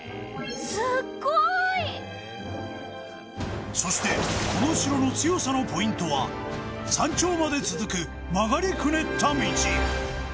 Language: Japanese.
すごい！そしてこの城の強さのポイントは山頂まで続く曲がりくねった道